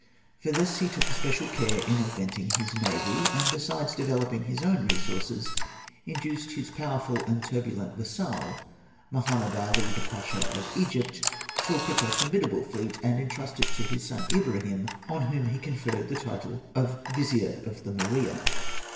For this he took especial care in augmenting his navy, and, besides developing his own resources, induced his powerful and turbulent vassal, Mohammed Ali, the Pasha of Egypt, to equip a formidable fleet and entrust it to his son Ibrahim, on whom was conferred the title of Vizier of the Morea.